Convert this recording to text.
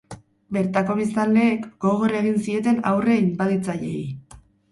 Bertako biztanleek gogor egin zieten aurre inbaditzaileei.